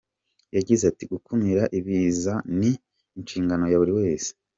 Yagize ati “Gukumira ibiza ni inshingano ya buri wese.